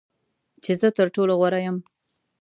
چې زه تر ټولو غوره یم .